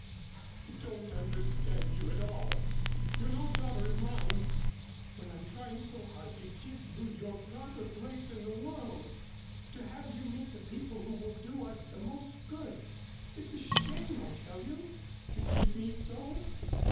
I don't understand you at all. You're no daughter of mine. When I'm trying so hard to give you your proper place in the world, to have you meet the people who will do us the most good! It's a shame, I tell you, to treat me so.